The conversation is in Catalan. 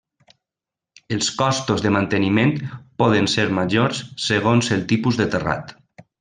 Els costos de manteniment poden ser majors segons el tipus de terrat.